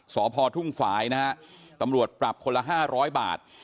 สพทุ่งฝายนะฮะตำรวจปรับคนละห้าร้อยบาท